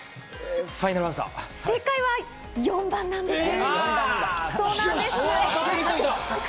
正解は４番なんです。